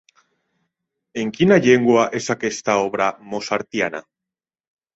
En quina llengua és aquesta obra mozartiana?